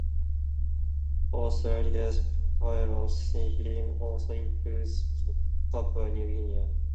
Australia's pilot scheme also includes Papua New Guinea.